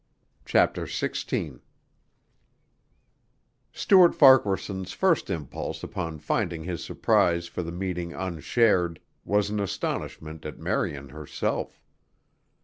CHAPTER XVI Stuart Farquaharson's first impulse upon finding his surprise for the meeting unshared, was an astonishment at Marian herself.